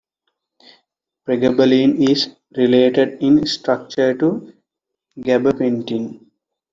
Pregabalin is related in structure to gabapentin.